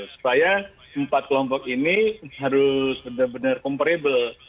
supaya empat kelompok ini harus benar benar comparable